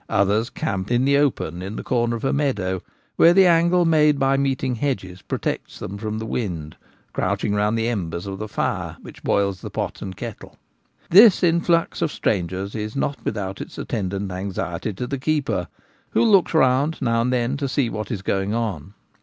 Others camp in the open in the corner of a meadow, where the angle made by meeting hedges protects them from the wind, crouch ing round the embers of the fire which boils the pot and kettle. This influx of strangers is not without its attendant anxiety to the keeper, who looks round now and then to see what is going on.